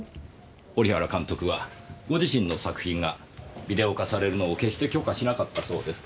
織原監督はご自身の作品がビデオ化されるのを決して許可しなかったそうですから。